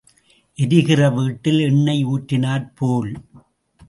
எரிகிற வீட்டில் எண்ணெயை ஊற்றினாற் போல்.